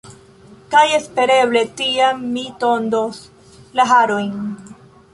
Kaj espereble tiam mi tondos la harojn.